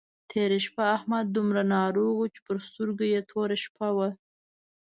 تېره شپه احمد دومره ناروغ وو چې پر سترګو يې توره شپه وه.